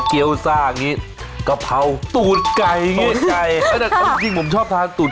เดี๋ยวพี่คะเราลืมอะไรไปหรือเปล่า